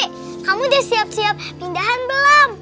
eh kamu udah siap siap pindahan belum